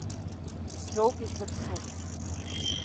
Ԥсроуп ибзыԥшу.